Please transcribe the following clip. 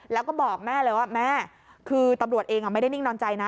แล้วก็บอกแม่เลยว่าแม่คือตำรวจเองไม่ได้นิ่งนอนใจนะ